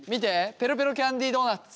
ペロペロキャンディードーナツ。